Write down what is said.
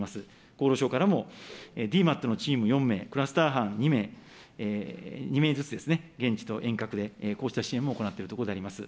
厚労省からもＤＭＡＴのチーム４名、クラスター班２名、２名ずつですね、現地と遠隔でこうした支援も行っているところであります。